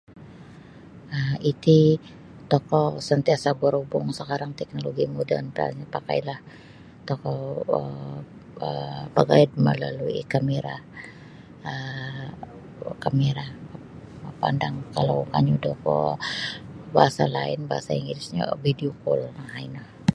um Iti tokou sentiasa berhubung sekarang teknologi moden dan pakailah tokou um bagayad melalui kamera um kamera mapandang kalau kanyu da kuo bahasa lain bahasa Inggerisnyo video call um ino.